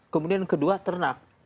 kemudian kedua ternak